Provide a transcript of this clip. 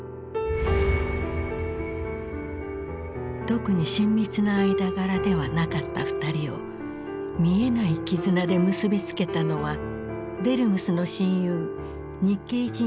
特に親密な間柄ではなかった２人を見えない絆で結び付けたのはデルムスの親友日系人